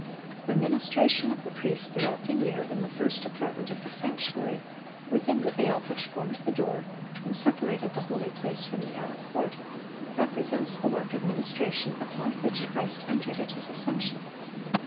(693) The ministration of the priest throughout the year in the first apartment of the sanctuary, "within the veil" which formed the door and separated the holy place from the outer court, represents the work of ministration upon which Christ entered at His ascension.